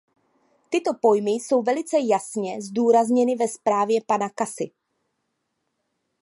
Tyto pojmy jsou velice jasně zdůrazněny ve zprávě pana Casy.